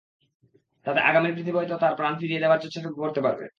তাতে আগামীর পৃথিবী হয়তো তার প্রাণ ফিরিয়ে দেওয়ার চেষ্টাটুকু করতে পারবে।